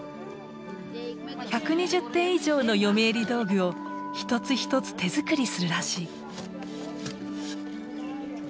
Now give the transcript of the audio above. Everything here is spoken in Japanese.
１２０点以上の嫁入り道具を一つ一つ手作りするらしい。